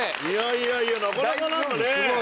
いやいやなかなかなんかね。